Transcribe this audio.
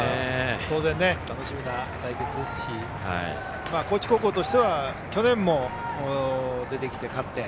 当然、楽しみな対決ですし高知高校としては去年も出てきて、勝って。